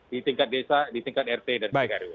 di tingkat desa di tingkat rt dan di tingkat rw